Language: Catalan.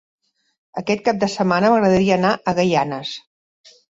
Aquest cap de setmana m'agradaria anar a Gaianes.